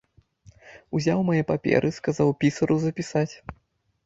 Узяў мае паперы, сказаў пісару запісаць.